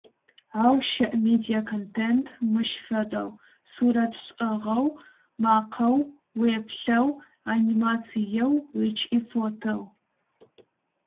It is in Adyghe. Ау щыӏ медиаконтент мыщ фэдэу: сурэт шӏыгъэу, макъэу, уеплъэу, анимациеу ыкӏи фотэу.